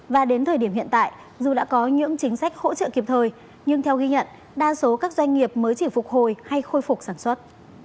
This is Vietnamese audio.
và đến thời điểm hiện tại dù đã có những chính sách hỗ trợ kịp thời nhưng theo ghi nhận đa số các doanh nghiệp mới chỉ phục hồi hay khôi phục sản xuất